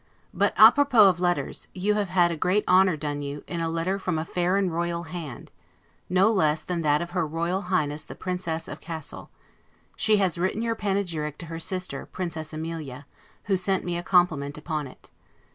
But 'a propos' of letters; you have had great honor done you, in a letter from a fair and royal hand, no less than that of her Royal Highness the Princess of Cassel; she has written your panegyric to her sister, Princess Amelia, who sent me a compliment upon it.